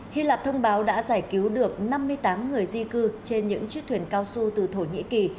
hy lạp thông báo đã giải cứu được năm mươi tám người di cư trên những chiếc thuyền cao su từ thổ nhĩ kỳ